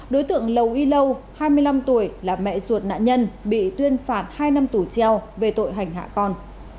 đối tượng lầu y lâu hai mươi năm tuổi là mẹ ruột nạn nhân bị tuyên phạt hai năm tù treo về tội hành hạ con